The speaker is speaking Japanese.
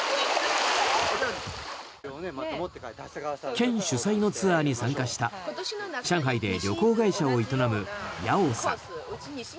県主催のツアーに参加した上海で旅行会社を営むヤオさん。